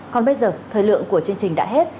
còn bây giờ thời lượng của chương trình đã hết